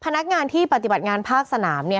ในงานที่ปฏิบัติงานภาคสนามเนี่ย